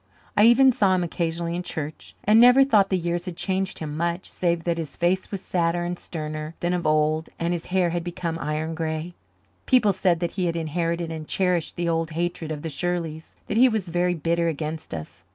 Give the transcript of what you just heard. I even saw him occasionally in church, and never thought the years had changed him much, save that his face was sadder and sterner than of old and his hair had become iron grey. People said that he had inherited and cherished the old hatred of the Shirleys that he was very bitter against us.